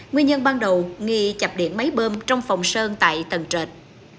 nguyên nhân ban đầu nghi chập điện máy bơm trong phòng sơn tại tầng trệt